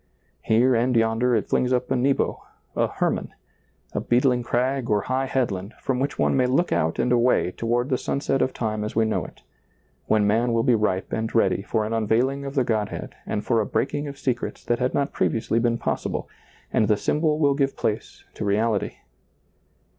Here and yonder it flings up a Nebo, a Hermon — a beetling crag or high headland, from which one may look out and away toward the sunset of time as we know it; when man will be ripe and ready for an unveiling of the Godhead and for a breaking of secrets that had not previously been possible, and the symbol will give* place to reality.